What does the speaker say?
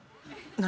何？